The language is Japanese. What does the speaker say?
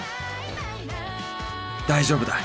大丈夫だ